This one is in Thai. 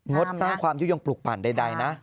ดสร้างความยุโยงปลูกปั่นใดนะ